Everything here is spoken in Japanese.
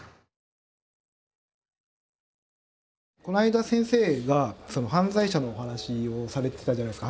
この間先生が犯罪者のお話をされてたじゃないですか。